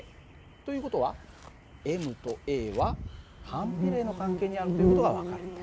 という事はｍとａは反比例の関係にあるという事が分かるんだ。